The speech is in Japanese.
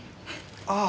ああ。